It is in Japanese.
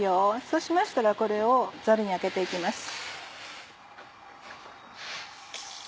そうしましたらこれをザルにあけて行きます。